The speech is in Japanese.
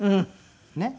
ねっ。